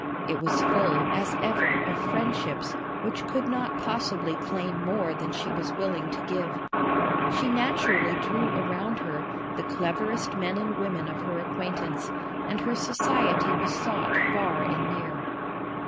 It was full, as ever, of friendships which could not possibly claim more than she was willing to give. She naturally drew around her the cleverest men and women of her acquaintance, and her society was sought far and near.